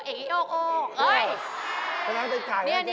เออเอ๊ยโอ๊ค